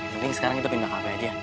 mending sekarang kita pindah cafe aja